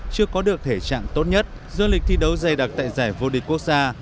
chưa có được thể trạng tốt nhất do lịch thi đấu dày đặc tại giải vô địch quốc gia